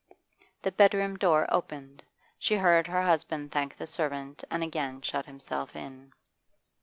The bedroom door opened; she heard her husband thank the servant and again shut himself in.